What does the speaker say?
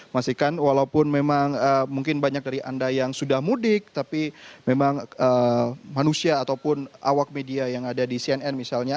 mas ikan walaupun memang mungkin banyak dari anda yang sudah mudik tapi memang manusia ataupun awak media yang ada di cnn misalnya